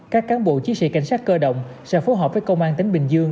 các cán bộ chiến sĩ cảnh sát cơ động sẽ phối hợp với công an tỉnh bình dương